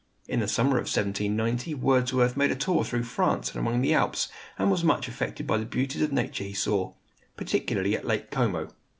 In the summer of 1790 Wordsworth made a tour through France and among the Alps, and was much affected by the beauties of nature he saw, particularly at Lake Como.